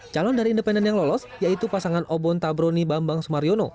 calon dari independen yang lolos yaitu pasangan obon tabroni bambang sumaryono